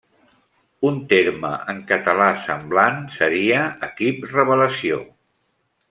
Un terme en català semblant seria equip revelació.